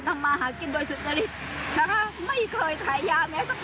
สวัสดีครับ